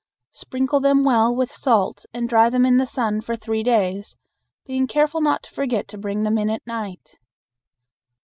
Sprinkle them well with salt and dry them in the sun for three days, being careful not to forget to bring them in at night.